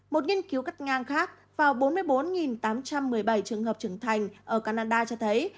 một nghiên cứu cắt ngang khác vào bốn mươi bốn tám trăm một mươi bảy trường hợp trưởng thành ở canada cho thấy